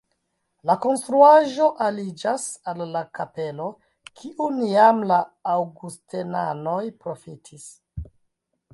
La konstruaĵo aliĝas al la kapelo, kiun jam la aŭgustenanoj profitis.